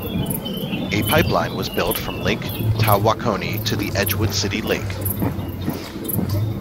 A pipeline was built from Lake Tawakoni to the Edgewood City Lake.